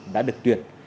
đã được tuyệt